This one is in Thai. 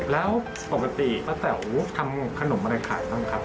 แล้วปกติป้าแต๋วทำขนมอะไรขายบ้างครับ